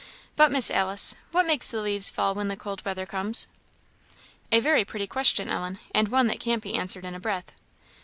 But, Miss Alice, what makes the leaves fall when the cold weather comes?" "A very pretty question, Ellen, and one that can't be answered in a breath."